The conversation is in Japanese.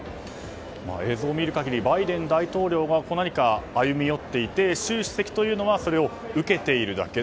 映像を見る限りバイデン大統領が何か歩み寄っていて習主席は、それを受けているだけ。